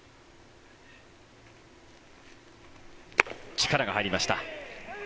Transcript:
力が入りました。